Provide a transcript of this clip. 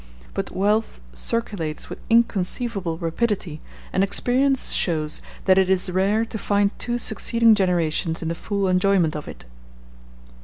But wealth circulates with inconceivable rapidity, and experience shows that it is rare to find two succeeding generations in the full enjoyment of it.